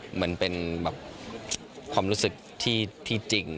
เหมือนเป็นแบบความรู้สึกที่จริง